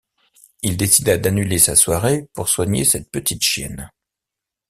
Il décida d’annuler sa soirée pour soigner cette petite chienne.